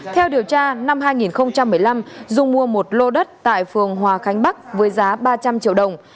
theo điều tra năm hai nghìn một mươi năm dung mua một lô đất tại phường hòa khánh bắc với giá ba trăm linh triệu đồng